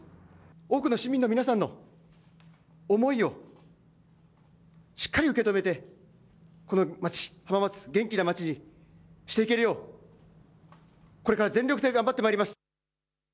多くの市民の皆さんの思いをしっかり受け止めて、この街、浜松、元気なまちにしていけるよう、これから全力で頑張ってまいります。